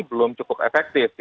belum cukup efektif